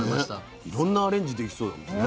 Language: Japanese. いろんなアレンジできそうだもんね。